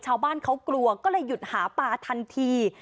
ชาวบ้านเขากลัวก็เลยหยุดหาปลาทันที